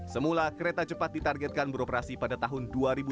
semula kereta cepat ditargetkan beroperasi pada tahun dua ribu dua puluh